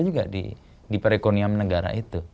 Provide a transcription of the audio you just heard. juga di perekonomian negara itu